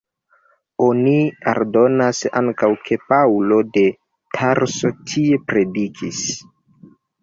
Oni aldonas ankaŭ ke Paŭlo de Tarso tie predikis.